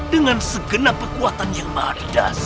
dengan segenap kekuatan yang madas